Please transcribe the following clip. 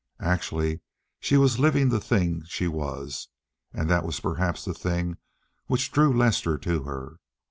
Actually she was living the thing she was, and that was perhaps the thing which drew Lester to her.